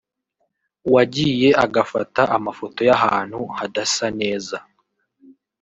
wagiye agafata amafoto y’ahantu hadasa neza